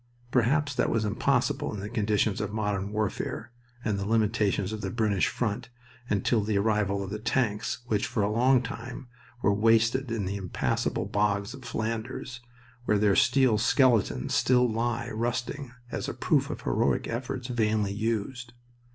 Perhaps that was impossible in the conditions of modern warfare and the limitations of the British front until the arrival of the tanks, which, for a long time, were wasted in the impassable bogs of Flanders, where their steel skeletons still lie rusting as a proof of heroic efforts vainly used.